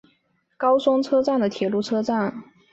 高松车站的铁路车站。